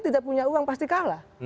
tidak punya uang pasti kalah